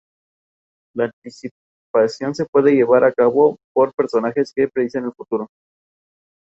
El álbum en vivo "Live Bait for the Dead" contiene el mismo concierto.